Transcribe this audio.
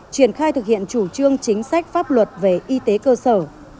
triển khai thực hiện chủ trương chính sách pháp luật về y tế cơ sở